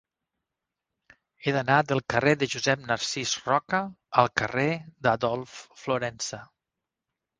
He d'anar del carrer de Josep Narcís Roca al carrer d'Adolf Florensa.